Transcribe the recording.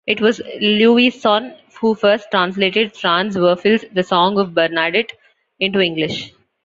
It was Lewisohn who first translated Franz Werfel's "The Song of Bernadette" into English.